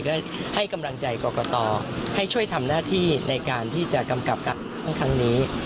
ก็ให้กำลังใจก่อก่อต่อให้ช่วยทำหน้าที่ในการที่จะกำกับการเลือกตั้งครั้งนี้